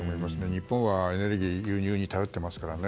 日本はエネルギーを輸入に頼ってますからね。